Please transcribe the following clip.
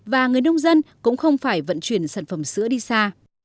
và người nông dân cũng không phải vận chuyển sản phẩm sữa đi xa